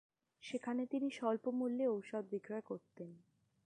সেখানে তিনি স্বল্পমূল্যে ঔষধ বিক্রয় করতেন।